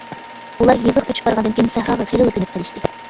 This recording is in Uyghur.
ئۇلار يېزىغا كۆچۈپ بارغاندىن كېيىن سەھراغا خېلىلا كۆنۈپ قېلىشتى.